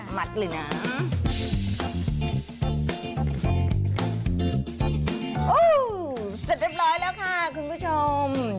เสร็จเรียบร้อยแล้วค่ะคุณผู้ชม